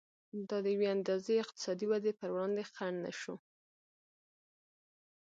دا د یوې اندازې اقتصادي ودې پر وړاندې خنډ نه شو.